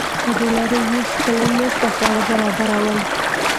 له دې لارې یې خپلې مور ته خواړه برابرول